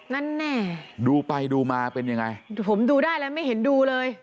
นั่นแน่ดูไปดูมาเป็นยังไงผมดูได้แล้วไม่เห็นดูเลย